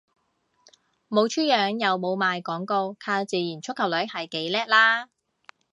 冇出樣又冇賣廣告，靠自然觸及率係幾叻喇